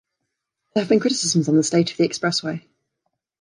There have been criticisms on the state of the expressway.